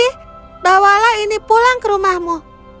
tapi bawalah ini pulang ke rumahmu